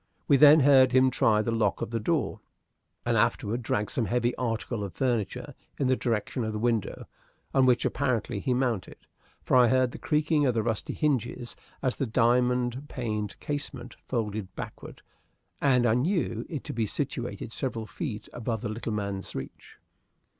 We then heard him try the lock of the door, and afterward drag some heavy article of furniture in the direction of the window, on which, apparently, he mounted, for I heard the creaking of the rusty hinges as the diamond paned casement folded backward, and I knew it to be situated several feet above the little man's reach.